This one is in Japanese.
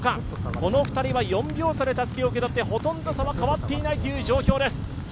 この２人は４秒差でたすきを受け取ってほとんど差は変わっていないという状況です。